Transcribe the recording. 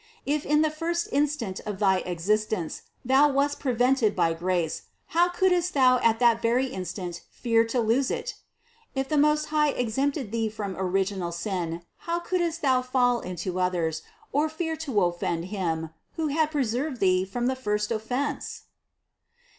If in the first instant of thy existence Thou wast prevented by grace, how couldst Thou at that very instant fear to lose it? If the Most High exempted Thee from original sin, how couldst Thou fall into others, or fear to offend Him, who had preserved Thee from the first offense